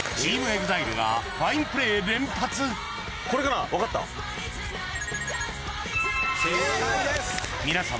これかな？